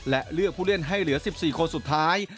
และเลือกผู้เล่นให้เหลือ๑๔คนสุดท้าย